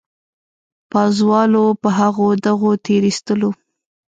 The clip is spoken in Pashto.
پازوالو په هغو دغو تېرېستلو.